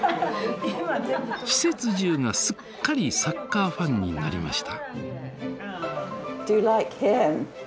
施設中がすっかりサッカーファンになりました。